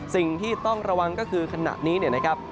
สิ่งที่ต้องระวังก็คือขณะนี้เนี่ยนะครับ